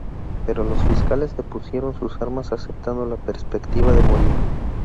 Pero los fiscales depusieron sus armas aceptando la perspectiva de morir.